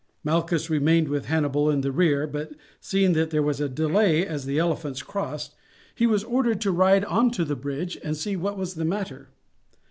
Malchus remained with Hannibal in the rear, but seeing that there was a delay as the elephants crossed, he was ordered to ride on to the bridge and see what was the matter.